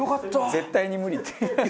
「絶対に無理」って。